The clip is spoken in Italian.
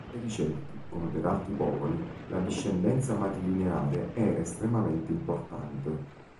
Per i Celti, come per altri popoli, la discendenza matrilineare era estremamente importante.